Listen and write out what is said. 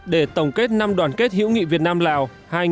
để tổng kết năm đoàn kết hữu nghị việt nam lào